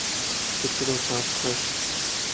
ڪچرو صاف ڪر